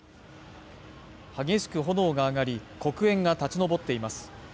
激しく炎が上がり黒煙が立ち上っています